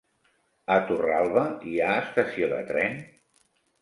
A Torralba hi ha estació de tren?